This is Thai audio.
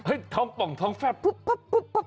รำครบครับ